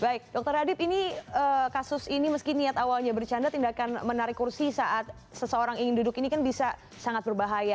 baik dokter adib ini kasus ini meski niat awalnya bercanda tindakan menarik kursi saat seseorang ingin duduk ini kan bisa sangat berbahaya